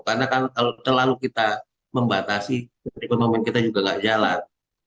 karena kalau terlalu kita membatasi kemungkinan kita juga nggak jalan